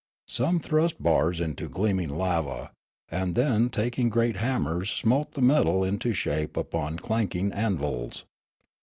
Some thrust bars into gleam ing lava, and then taking great hammers smote the metal into shape upon clanking anvils.